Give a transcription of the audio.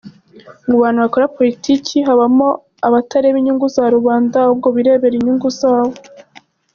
Mu bantu bakora politiki, habamo abatareba inyungu za rubanda ahubwo birebera inyungu zabo.